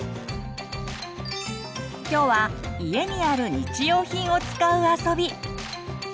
今日は家にある日用品を使う遊び。